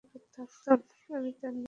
আমি তাঁর নিকট থাকলাম।